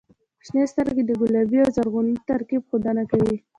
• شنې سترګې د ګلابي او زرغوني ترکیب ښودنه کوي.